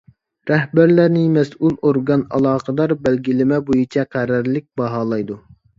رەھبەرلەرنى مەسئۇل ئورگان ئالاقىدار بەلگىلىمە بويىچە قەرەللىك باھالايدۇ.